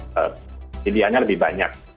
pilihannya lebih banyak